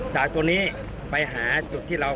จากตัวนี้ไปหาจุดที่เรา